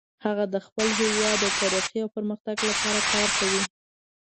هغه د خپل هیواد د ترقۍ او پرمختګ لپاره کار کوي